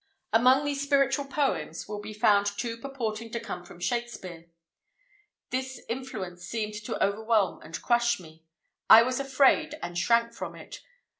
Among these spiritual poems will be found two purporting to come from Shakspeare. This influence seemed to overwhelm and crush me. I was afraid, and shrank from it.